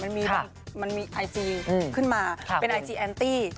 มันมีไอจีขึ้นมาเป็นไอจีแอนตี้